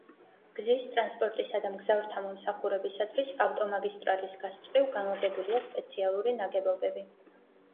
გზის, ტრანსპორტისა და მგზავრთა მომსახურებისათვის ავტომაგისტრალის გასწვრივ განლაგებულია სპეციალური ნაგებობები.